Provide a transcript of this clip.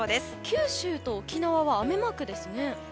九州と沖縄は雨マークですね。